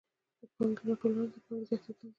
د پانګې راټولونه د پانګې زیاتېدل دي